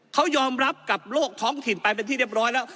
เขายอมรับกับโลกท้องถิ่นไปเป็นที่เรียบร้อยแล้ว